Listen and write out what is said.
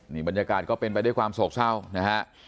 นี่บรรยากาศก็เป็นไปด้วยความโศกเศร้านะฮะ